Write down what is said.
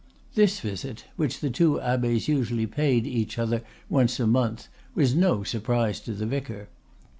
This visit, which the two abbe's usually paid each other once a month, was no surprise to the vicar.